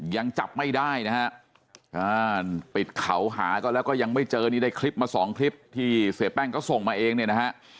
ยังจับไม่ได้นะฮะปิดเขาหาก็แล้วก็ยังไม่เจอนี่ได้คลิปมาสองคลิปที่เสียแป้งก็ส่งมาเองเนี่ยนะฮะ